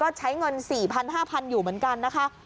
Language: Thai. ก็ใช้เงิน๔๐๐๕๐๐อยู่เหมือนกันนะคะ